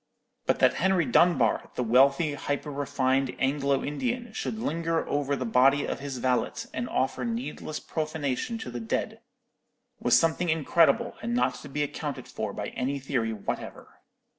But that Henry Dunbar, the wealthy, hyper refined Anglo Indian, should linger over the body of his valet and offer needless profanation to the dead, was something incredible, and not to be accounted for by any theory whatever.